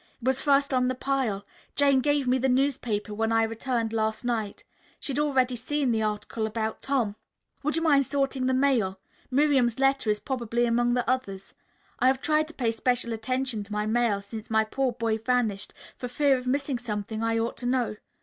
It was first on the pile. Jane gave me the newspaper when I returned last night. She had already seen the article about Tom. Would you mind sorting the mail? Miriam's letter is probably among the others. I have tried to pay special attention to my mail since my poor boy vanished, for fear of missing something I ought to know.